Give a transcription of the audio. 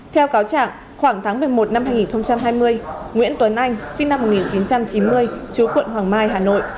theo cáo trạng khoảng tháng một mươi một năm hai nghìn hai mươi nguyễn tuấn anh sinh năm một nghìn chín trăm chín mươi chú quận hoàng mai hà nội